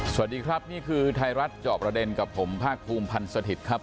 สวัสดีครับนี่คือไทยรัฐจอบประเด็นกับผมภาคภูมิพันธ์สถิตย์ครับ